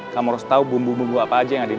kamu harus tahu bumbu bumbu apa aja yang ada di